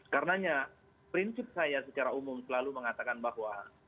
karenanya prinsip saya secara umum selalu mengatakan bahwa